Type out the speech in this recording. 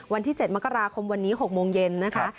วันที่๗มกราคมวันนี้๖โมงเย็นนะคะ